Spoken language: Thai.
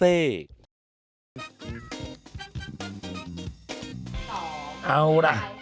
เอาล่ะ